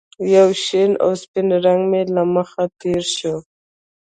یو شین او سپین رنګ مې له مخې تېر شو